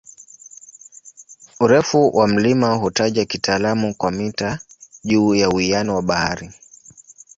Urefu wa mlima hutajwa kitaalamu kwa "mita juu ya uwiano wa bahari".